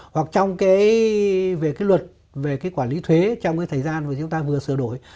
hoặc trong cái về cái luật về cái quản lý thuế trong cái thời gian mà chúng ta vừa sửa đổi